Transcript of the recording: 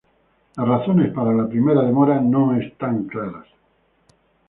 Las razones para la primera demora no están claras.